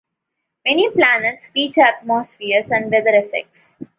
Many planets feature atmospheres and weather effects.